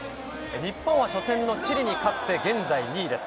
日本は初戦のチリに勝って現在２位です。